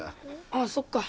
ああそっか。